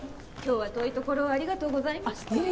今日は遠いところをありがとうございました。